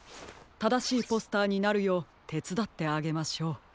ただしいポスターになるようてつだってあげましょう。